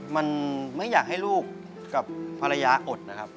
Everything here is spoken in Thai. มันไม่อยากให้ลูกกับภรรยาอดนะครับ